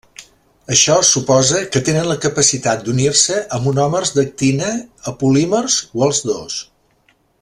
Això suposa que tenen la capacitat d'unir-se a monòmers d'actina, a polímers o als dos.